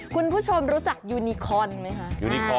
คุณผู้ชมรู้จักยูนิคอลไหมคะ